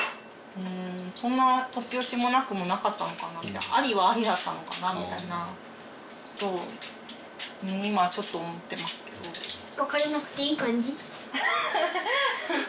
そんな突拍子もなくもなかったのかなみたいなありはありだったのかなみたいなことを今はちょっと思ってますけどハハハハッ